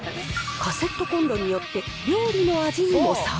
カセットコンロによって料理の味にも差が。